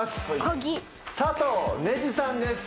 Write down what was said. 佐藤ねじさんです。